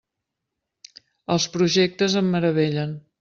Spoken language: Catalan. Els projectes em meravellen.